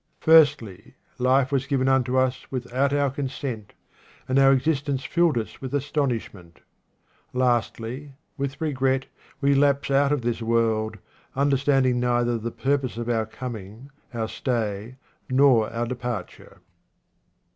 Firstly life was given unto us without our con sent, and our existence rilled us with astonish ment. Lastly, with regret we lapse out of this world, understanding neither the purpose of our coming, our stay, nor our departure.